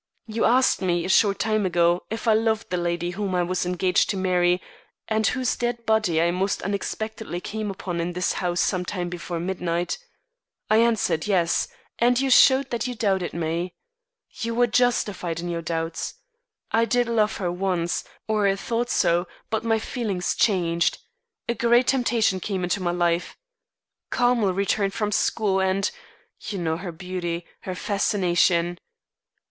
You asked me a short time ago if I loved the lady whom I was engaged to marry and whose dead body I most unexpectedly came upon in this house some time before midnight. I answered yes, and you showed that you doubted me. You were justified in your doubts. I did love her once, or thought so, but my feelings changed. A great temptation came into my life. Carmel returned from school and you know her beauty, her fascination.